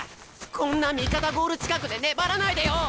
こんな味方ゴール近くで粘らないでよ！